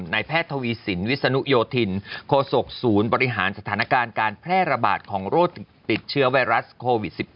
แพทย์ทวีสินวิศนุโยธินโคศกศูนย์บริหารสถานการณ์การแพร่ระบาดของโรคติดเชื้อไวรัสโควิด๑๙